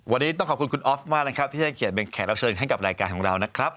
วันนี้ต้องขอบคุณคุณออฟมากนะครับที่จะให้เกียรติเป็นแขกรับเชิญให้กับรายการของเรานะครับ